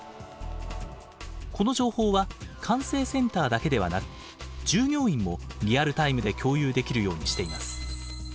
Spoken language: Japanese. この情報は管制センターだけではなく従業員もリアルタイムで共有できるようにしています。